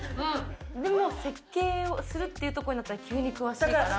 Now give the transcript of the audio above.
でも設計をするってなったら急に詳しいから。